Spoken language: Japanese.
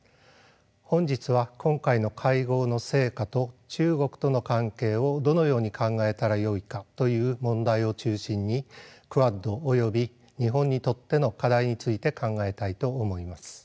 本日は今回の会合の成果と中国との関係をどのように考えたらよいかという問題を中心にクアッドおよび日本にとっての課題について考えたいと思います。